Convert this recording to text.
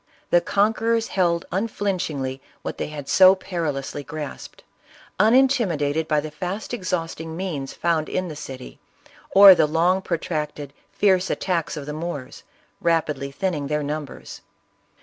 The conquer ors held unflinchingly what they had so perilously grasped, unintiinidated by the fast exhausting means found in the city, or the long protracted, fierce attacks of the Moors, rapidly thinning their numbers.